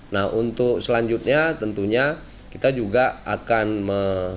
nah untuk selanjutnya tentunya kita juga akan mengembangkan